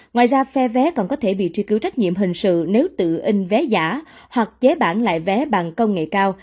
ngoài ra phe vé còn có thể bị truy cứu trách nhiệm hình sự nếu tự in vé giả hoặc chế bản lại vé bằng công nghệ cao